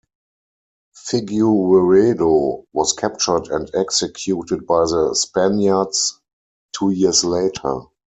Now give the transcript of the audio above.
Figueredo was captured and executed by the Spaniards two years later.